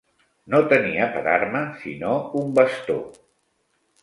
No tenia per arma sinó un bastó.